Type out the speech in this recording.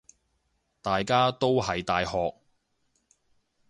大家都係大學